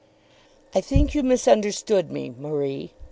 "I think you misunderstood me, Marie.